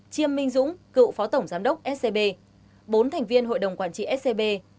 chiêm minh dũng cựu phó tổng giám đốc scb bốn thành viên hội đồng quản trị scb